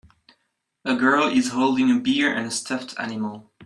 A girl is holding a beer and a stuffed animal.